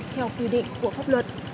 theo quy định của pháp luật